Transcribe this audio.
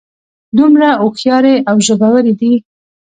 دومره هوښیارې او ژبورې دي.